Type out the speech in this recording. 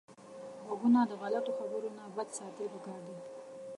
غوږونه د غلطو خبرو نه بچ ساتل پکار دي